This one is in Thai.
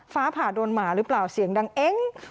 ฟ้าผ่าโดนหมาหรือเปล่าเสียงดังเอง